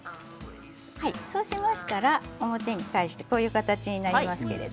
そうしましたら表に返すとこういう形になります。